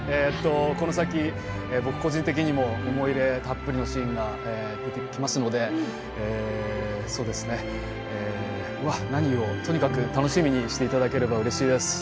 この先、僕個人的にも思い入れたっぷりのシーンが出てきますのでとにかく楽しみにしていただければ、うれしいです。